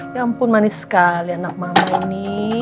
ya ampun manis sekali anak mama ini